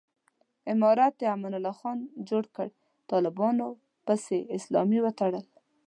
امارت امان الله خان جوړ کړ، طالبانو پسې اسلامي وتړلو.